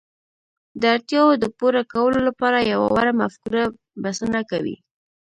د اړتياوو د پوره کولو لپاره يوه وړه مفکوره بسنه کوي.